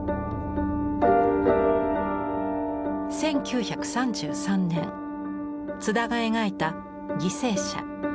１９３３年津田が描いた「犠牲者」。